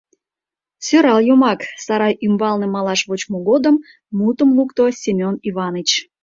— Сӧрал йомак, — сарай ӱмбалне малаш вочмо годым мутым лукто Семён Иваныч.